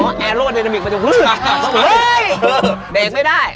ออแอโรเดนามิกมันจะอื้อบอกว่าเฮ้ยเด็กไม่ได้